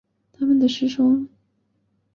他们师生之间通过笔谈的方式进行交流。